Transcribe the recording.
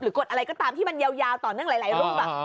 กดอะไรก็ตามที่มันยาวต่อเนื่องหลายรูป